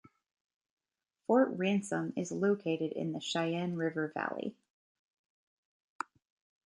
Fort Ransom is located in the Sheyenne River valley.